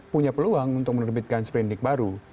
punya peluang untuk menerbitkan spindik baru